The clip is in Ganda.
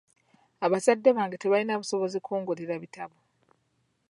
Abazadde bange tebalina busobozi kungulira bitabo.